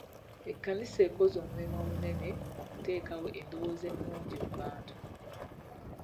Ekkanisa ekoze omulimu munene okuteeka endowooza ennungi mu bantu .